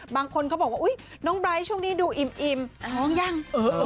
บางคนเขาบอกว่าอุ๊ยน้องไบร์ทช่วงนี้ดูอิ่มท้องยัง